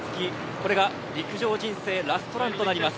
これが陸上人生ラストランです。